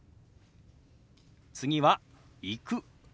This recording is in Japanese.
次は「行く」。